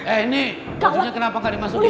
eh ini maksudnya kenapa gak dimasukin